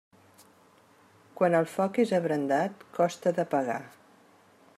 Quan el foc és abrandat, costa d'apagar.